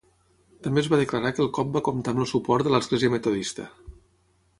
També es va declarar que el cop va comptar amb el suport de l'Església metodista.